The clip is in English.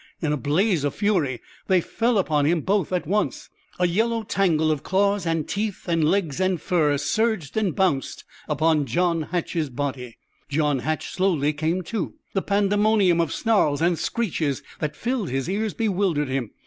In a blaze of fury, they fell upon him, both at once. A yellow tangle of claws and teeth and legs and fur surged and bounced upon John Hatch's body. John Hatch slowly came to. The pandemonium of snarls and screeches that filled his ears bewildered him.